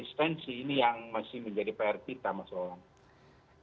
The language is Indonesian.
nah ini juga adalah konsistensi yang masih menjadi pr kita mas olan